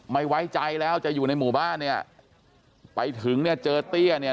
ไม่ไว้ใจแล้วจะอยู่ในหมู่บ้านเนี่ยไปถึงเนี่ยเจอเตี้ยเนี่ย